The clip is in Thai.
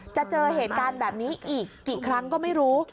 เจอเหตุการณ์แบบนี้อีกกี่ครั้งก็ไม่รู้